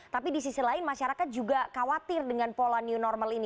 tapi di sisi lain masyarakat juga khawatir dengan pola new normal ini